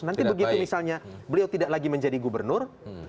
nanti begitu misalnya beliau tidak lagi menjadi gubernur